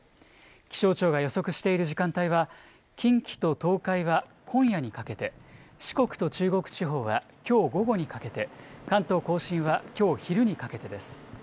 気象庁が予測している時間帯は、近畿と東海は今夜にかけて、四国と中国地方はきょう午後にかけて、関東甲信はきょう昼にかけてです。